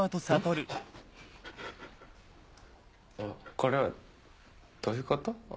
これどういうこと？